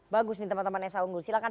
bagus nih teman teman esa unggul silakan